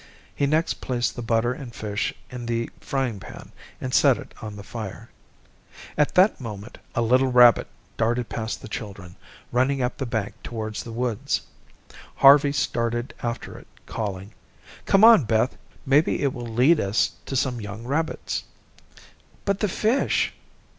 He next placed the butter and fish in the frying pan and set it on the fire. At that moment, a little rabbit darted past the children, running up the bank towards the woods. Harvey started after it calling: "Come on, Beth. Maybe it will lead us to some young rabbits." "But the fish."